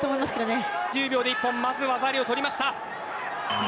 １０秒で一本まず技ありを取りました。